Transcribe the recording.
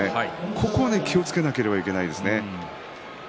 ここは気をつけなければいけないですね。